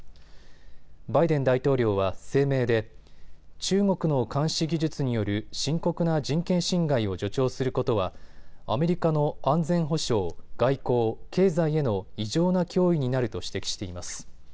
バイデン大統領は声明で中国の監視技術による深刻な人権侵害を助長することはアメリカの安全保障、外交、経済への異常な脅威になると指摘しています。